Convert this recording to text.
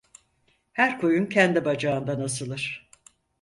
Her koyun kendi bacağından asılır.